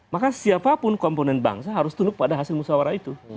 maka siapapun komponen bangsa harus tunduk pada hasil musawarah itu